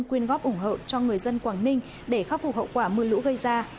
quyên góp ủng hộ cho người dân quảng ninh để khắc phục hậu quả mưa lũ gây ra